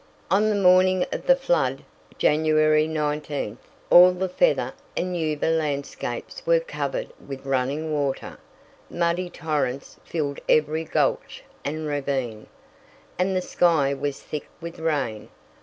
On the morning of the flood, January 19th, all the Feather and Yuba landscapes were covered with running water, muddy torrents filled every gulch and ravine, and the sky was thick with rain.